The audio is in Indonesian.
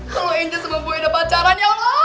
kalo ini semua boy udah pacaran